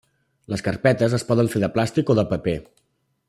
Les carpetes es poden fer de plàstic o de paper.